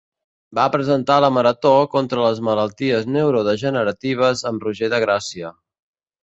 Va presentar la Marató contra les malalties neurodegeneratives, amb Roger de Gràcia.